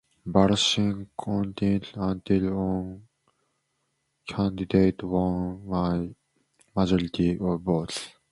Balloting continued until one candidate won a majority of votes.